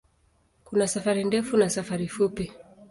Kuna safari ndefu na safari fupi.